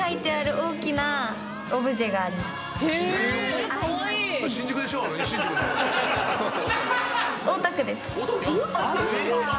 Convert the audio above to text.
大田区です。